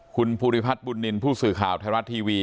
คุณภูริพัฒน์บุญนินทร์ผู้สื่อข่าวไทยรัฐทีวี